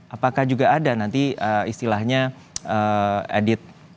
apakah juga ada nanti istilahnya edit